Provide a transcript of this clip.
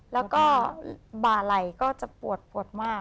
แล้วบ่าไหล่ก็จะปวดมาก